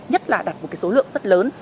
nhất là đặt một số lượng rất lớn